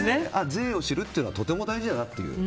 税を知るというのはとても大事だなと。